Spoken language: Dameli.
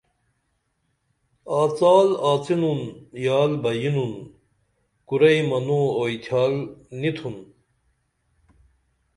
آڅال آڅینُن یال بہ یینُن کُرئی منوں اوئی تھیال نیتُھن